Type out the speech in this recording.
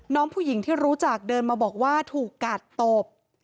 น้องผู้หญิงที่รู้จักเดินมาบอกว่าถูกกาดตบ